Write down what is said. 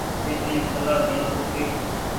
ڪني سلآ ڏيڻو سوٺي۔